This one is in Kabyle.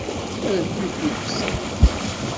Rnu tibṣelt.